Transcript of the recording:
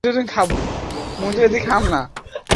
তোমাদের সাধুবাদ জানাই, আর প্রয়োজন হলে, আমি ডেকে নেবো।